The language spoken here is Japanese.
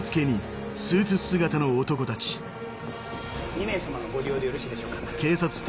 ２名さまのご利用でよろしいでしょうか？